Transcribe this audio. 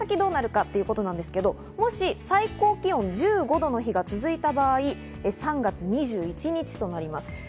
これから先どうなるかということなんですけれども、もし最高気温１５度の日が続いた場合、３月２１日となります。